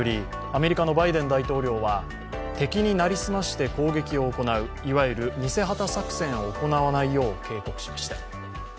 アメリカのバイデン大統領は、敵に成り済まして攻撃を行う、いわゆる偽旗作戦を行わないよう警告しました。